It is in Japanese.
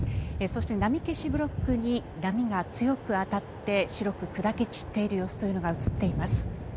そして波消しブロックに波が強く当たって白く砕け散っている様子というのが映っています。